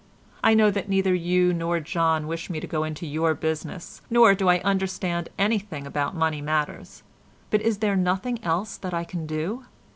I know that neither you nor John wish me to go into your business, nor do I understand anything about money matters, but is there nothing else that I can do?